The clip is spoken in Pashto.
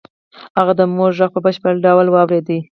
هغه د مور غږ په بشپړ ډول واورېد